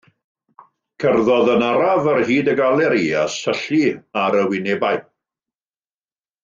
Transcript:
Cerddodd yn araf ar hyd y galeri a syllu ar y wynebau.